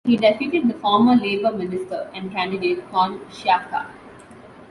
He defeated the former Labor minister and candidate Con Sciacca.